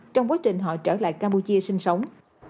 trong quá trình họ trở lại campuchia sinh sống